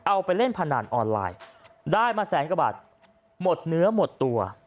เอาไปเล่นพนันออนไลน์ได้มาแสนกว่าบาทหมดเนื้อหมดตัว